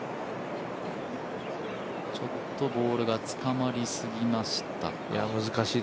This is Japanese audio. ちょっとボールが捕まりすぎましたか。